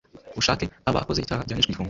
bushake aba akoze icyaha gihanishwa igifungo